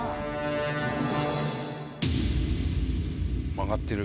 曲がってる。